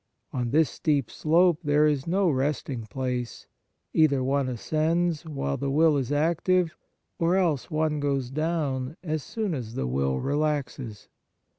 On this steep slope there is no resting place ; either one ascends, while the 81 F OiTPiety will is active, or else one goes down, as soon as the will relaxes.